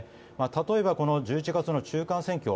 例えば、１１月の中間選挙